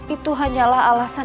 itu hanyalah alasan